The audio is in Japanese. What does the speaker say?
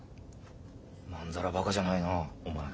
まんざらバカじゃないなお前。